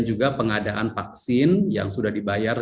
juga pengadaan vaksin yang sudah dibayar